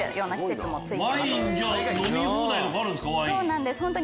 そうなんです。